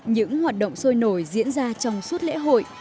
những hoạt động sôi nổi diễn ra trong suốt lễ hội